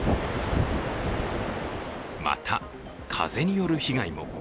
また風による被害も。